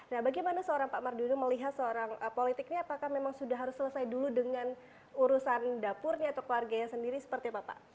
nah bagaimana seorang pak mardiono melihat seorang politik ini apakah memang sudah harus selesai dulu dengan urusan dapurnya atau keluarganya sendiri seperti apa pak